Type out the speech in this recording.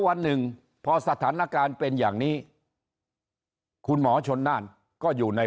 วันหนึ่งพอสถานการณ์เป็นอย่างนี้คุณหมอชนน่านก็อยู่ใน